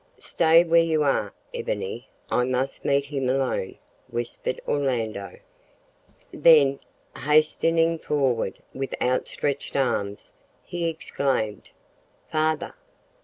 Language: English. "Stay where you are, Ebony. I must meet him alone," whispered Orlando. Then, hastening forward with outstretched arms, he exclaimed "Father!"